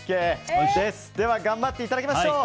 頑張っていただきましょう。